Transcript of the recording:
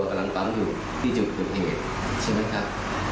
กำลังปั๊มอยู่ที่จุดเกิดเหตุใช่ไหมครับ